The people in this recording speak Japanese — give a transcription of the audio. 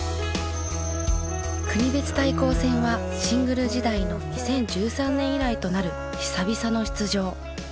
国別対抗戦はシングル時代の２０１３年以来となる久々の出場。